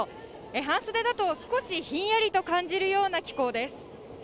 半袖だと少しひんやりと感じるような気候です。